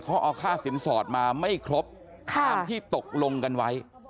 เขาเอาค่าสินสอดมาไม่ครบตามที่ตกลงกันไว้